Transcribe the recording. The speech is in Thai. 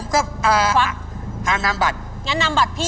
งั้นนำบัตรพี่